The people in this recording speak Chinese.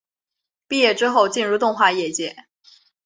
毕业之后进入动画业界。